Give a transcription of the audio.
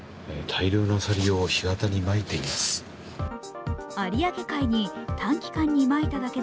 大量のアサリを干潟にまいています。